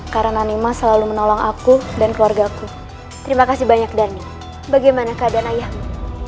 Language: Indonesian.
karena nima selalu menolong aku dan keluarga aku terima kasih banyak dharmi bagaimana keadaan ayahmu